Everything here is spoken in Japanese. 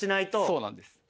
そうなんです。